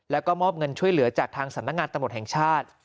แล้วก็มอบเงินช่วยเหลือจากทางสำนักงานตำรวจแห่งชาติ